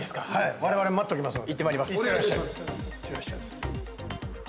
我々、待っておきますので。